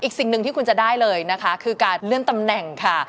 สิ่งหนึ่งที่คุณจะได้เลยนะคะคือการเลื่อนตำแหน่งค่ะ